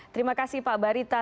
terima kasih pak barita